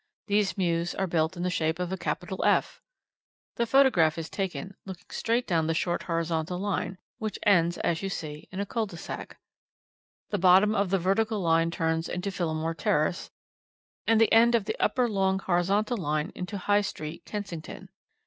These mews are built in the shape of a capital F. The photograph is taken looking straight down the short horizontal line, which ends, as you see, in a cul de sac. The bottom of the vertical line turns into Phillimore Terrace, and the end of the upper long horizontal line into High Street, Kensington.